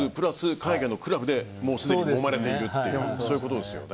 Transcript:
海外のクラブですでにもまれているということですよね。